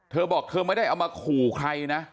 เธอบอกเธอไม่ได้เอามาขู่ใครนะ